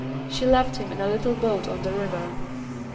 =She left him in a little boat on the river.